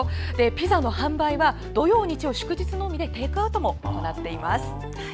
ピザの販売は土曜、日曜、祝日のみでテイクアウトも行っています。